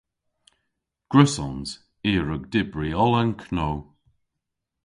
Gwrussons. I a wrug dybri oll an know.